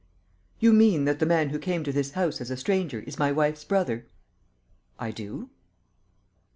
"You mean, that the man who came to this house as a stranger is my wife's brother?" "I do."